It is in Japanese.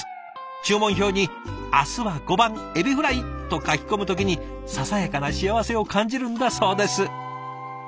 注文表に「明日は５番エビフライ！」と書き込む時にささやかな幸せを感じるんだそうです。